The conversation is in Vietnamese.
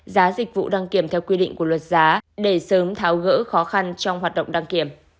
giá dịch vụ đăng kiểm theo quy định của luật giá để sớm tháo gỡ khó khăn trong hoạt động đăng kiểm